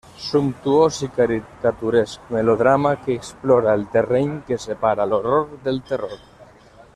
Sumptuós i caricaturesc melodrama que explora el terreny que separa l'horror del terror.